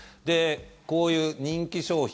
こういう人気商品